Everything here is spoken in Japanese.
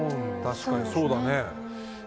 確かにそうだね。